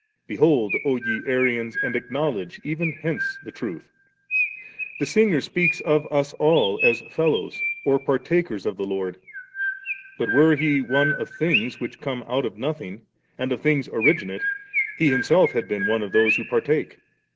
* Behold, O ye Arians, and acknowledge even hence the truth. The Singer speaks of us all as * fellows* or 'partakers' of the Lord; but were He one of things which come out of nothing and of things originate. He Himself had been one of those who partake.